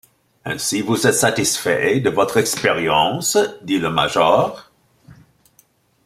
Ainsi vous êtes satisfait de votre expérience? dit le major.